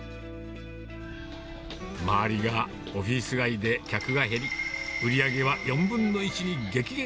周りがオフィス街で客が減り、売り上げは４分の１に激減。